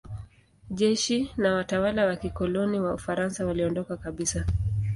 Jeshi na watawala wa kikoloni wa Ufaransa waliondoka kabisa.